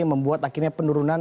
yang membuat akhirnya penurunan